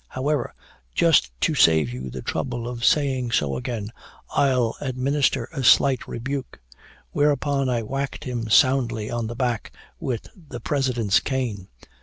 However, just to save you the trouble of saying so again, I'll administer a slight rebuke' whereupon I whacked him soundly on the back with the president's cane.